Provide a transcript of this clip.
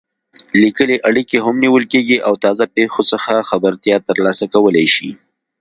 لیکلې اړیکې هم نیول کېږي او تازه پېښو څخه خبرتیا ترلاسه کولای شي.